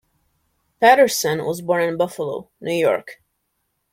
Patterson was born in Buffalo, New York.